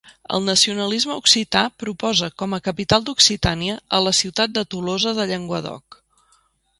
El nacionalisme occità proposa com a capital d'Occitània a la ciutat de Tolosa de Llenguadoc.